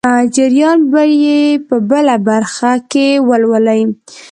جریان به یې په بله برخه کې ولولئ.